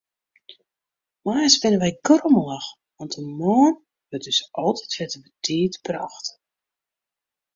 Moarns binne wy grommelich, want de moarn wurdt ús altyd wer te betiid brocht.